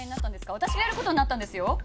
私がやる事になったんですよ。